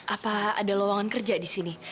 apa ada lowongan kerja di sini